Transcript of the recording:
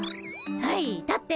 はい立って！